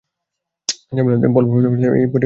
জামিল আহমদ পল বর্তমানে এই পত্রিকার সম্পাদক।